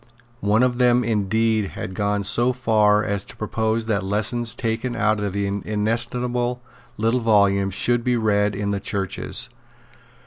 One of them indeed had gone so far as to propose that lessons taken out of the inestimable little volume should be read in the churches.